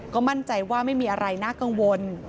ก็มั่นใจว่าไม่มีอะไรน่ากังวล